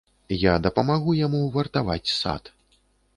Я дапамагу яму вартаваць сад.